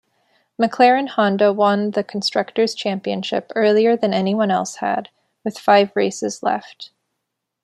McLaren-Honda won the Constructor's Championship earlier than anyone else had, with five races left.